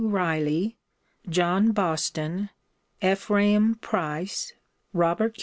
Riley, John Boston, Ephraim Price, Robert Q.